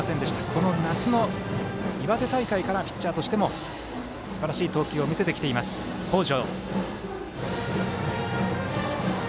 この夏の岩手大会からピッチャーとしてもすばらしい投球を見せてきている北條。